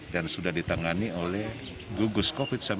dan sudah ditangani oleh gugus covid sembilan belas